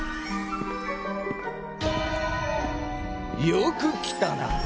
よく来たな。